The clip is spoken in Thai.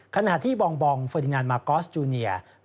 ขณะที่บองเฟอร์ดินันมาร์กอสจูเนียร์